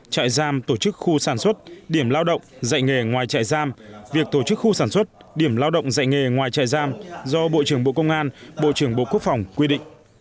trại giam tổ chức khu sản xuất điểm lao động dạy nghề ngoài chạy giam việc tổ chức khu sản xuất điểm lao động dạy nghề ngoài chạy giam do bộ trưởng bộ công an bộ trưởng bộ quốc phòng quy định